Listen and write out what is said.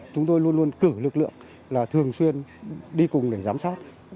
chúng tôi luôn luôn cử lực lượng là thường xuyên đi cùng để giám sát